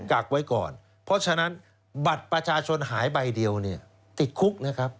กักไว้ก่อนเพราะฉะนั้นบัตรประชาชนหายใบเดียวเนี่ยติดคุกนะครับ